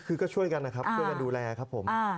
คือก็ช่วยกันนะครับช่วยกันดูแลครับผม